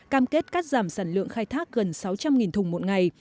cam kết cắt giảm sản lượng khai thác gần sáu trăm linh thùng một ngày